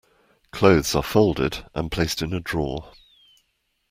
Clothes are folded and placed in a drawer.